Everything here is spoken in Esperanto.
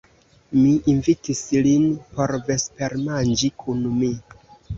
Mi invitis lin por vespermanĝi kun mi.